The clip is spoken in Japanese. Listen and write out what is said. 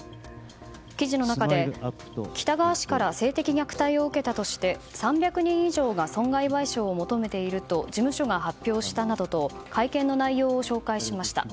記事の中で喜多川氏から性的虐待を受けたとして３００人以上が損害賠償を求めていると事務所が発表したなどと会見の内容を紹介しました。